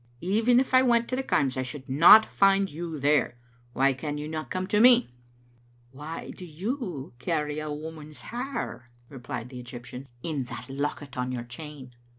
Even if I went to the Kaims I should not find you there. Why can you not come to me?" "Why do you carry a woman's hair," replied the Egyptian, " in that locket on your chain?"